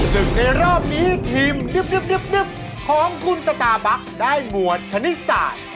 ซึ่งในรอบนี้ทีมนึบของคุณสกาบัคได้หมวดคณิตศาสตร์